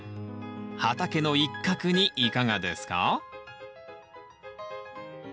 畑の一角にいかがですか？